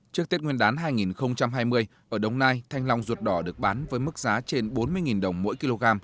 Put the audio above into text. trước tết nguyên đán hai nghìn hai mươi ở đồng nai thanh long ruột đỏ được bán với mức giá trên bốn mươi đồng mỗi kg